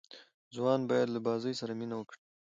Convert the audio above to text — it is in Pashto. ځوانان باید له بازۍ سره مینه وکړي.